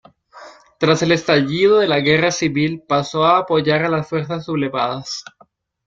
Tras el estallido de la Guerra civil pasó a apoyar a las fuerzas sublevadas.